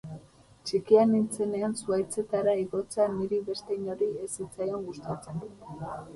Txikia nintzenean zuhaitzetara igotzea niri beste inori ez zitzaion gustatzen.